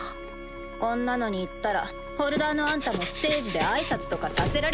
こんなのに行ったらホルダーのあんたもステージで挨拶とかさせられ。